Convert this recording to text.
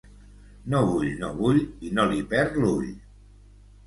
No vull, no vull... i no li perd l'ull.